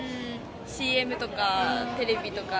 ＣＭとかテレビとか。